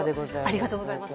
ありがとうございます。